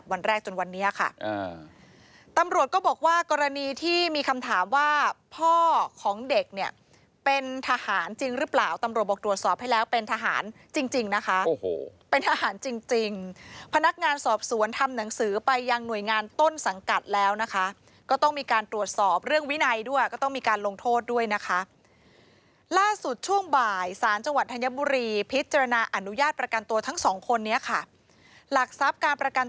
พ่อของเด็กเนี่ยเป็นทหารจริงหรือเปล่าตำรวจบอกตรวจสอบให้แล้วเป็นทหารจริงนะคะโอ้โหเป็นทหารจริงพนักงานสอบสวนทำหนังสือไปยังหน่วยงานต้นสังกัดแล้วนะคะก็ต้องมีการตรวจสอบเรื่องวินัยด้วยก็ต้องมีการลงโทษด้วยนะคะล่าสุดช่วงบ่ายศาลจังหวัดธัญบุรีพิจารณาอนุญาตประกันตัวทั้ง๒ค